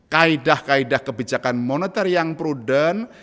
kaedah kaedah kebijakan moneter yang prudent